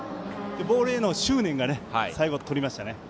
ボールへの執念で最後にとりましたね。